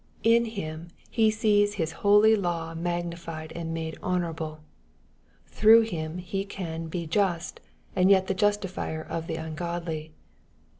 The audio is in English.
In Him He sees His holy " law mag nified and made honorable." Through Him He can " be just, and yet the justifierof the ungodly."